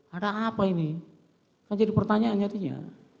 ada apa ini kan jadi pertanyaan jatuhnya